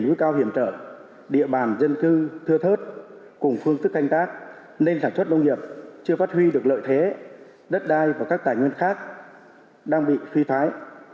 núi cao hiểm trở địa bàn dân cư thưa thớt cùng phương thức canh tác nên sản xuất nông nghiệp chưa phát huy được lợi thế đất đai và các tài nguyên khác đang bị suy thoái